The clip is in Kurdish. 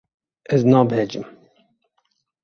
Ez nabehecim.